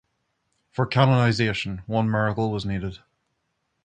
For canonization one miracle was needed.